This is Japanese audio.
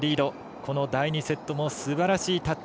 この第２セットもすばらしいタッチ。